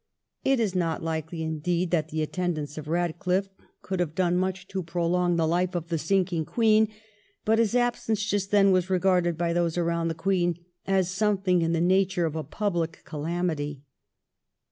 It is not likely, indeed, 1714 DOOTOE RADOLIFFE'S LETTER. 375 that the attendance of Kadcliffe could have done much to prolong the life of the sinking Queen ; but his absence just then was regarded by those around the Queen as something in the nature of a public calamity.